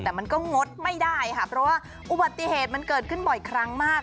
แต่มันก็งดไม่ได้ค่ะเพราะว่าอุบัติเหตุมันเกิดขึ้นบ่อยครั้งมาก